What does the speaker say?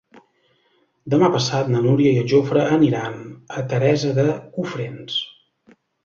Demà passat na Núria i en Jofre aniran a Teresa de Cofrents.